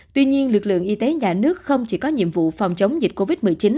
tuy nhiên lực lượng y tế nhà nước không chỉ có nhiệm vụ phòng chống dịch covid một mươi chín